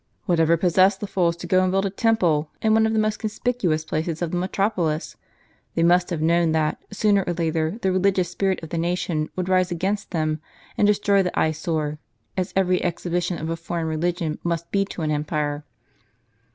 " What ever possessed the fools to go and build a temple, in one of the most conspicuous places of the metropolis? They must have known that, sooner or later, the religious spirit of the nation would rise against them and destroy the eye sore, as every exhibition of a foreign religion must be to an empire."